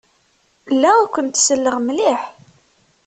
La akent-selleɣ mliḥ.